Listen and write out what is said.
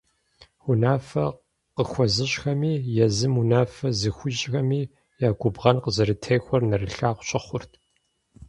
Унафэ къыхуэзыщӏхэми, езым унафэ зыхуищӏхэми я губгъэн къызэрытехуэр нэрылъагъу щыхъурт.